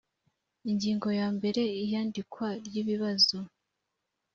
ingingo yambere iyandikwa ry ibibazo